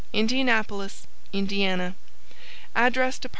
INDIANAPOLIS, IND. Address Dept.